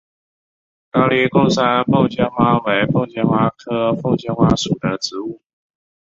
高黎贡山凤仙花为凤仙花科凤仙花属的植物。